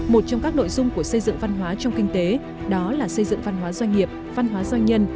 một trong các nội dung của xây dựng văn hóa trong kinh tế đó là xây dựng văn hóa doanh nghiệp văn hóa doanh nhân